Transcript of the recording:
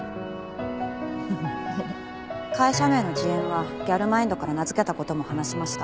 会社名のＧＭはギャルマインドから名付けた事も話しました。